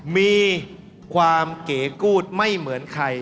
มีความเก๋กูธไม่เหมือนใคร